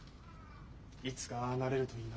いつかああなれるといいな。